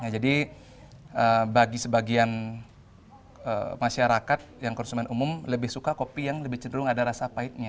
jadi bagi sebagian masyarakat yang konsumen umum lebih suka kopi yang lebih cenderung ada rasa pahit